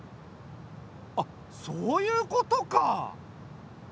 あっそういうことか！